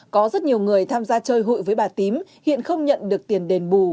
có rất nhiều người tham gia chơi hụi với bà tím hiện không nhận được tiền đền bù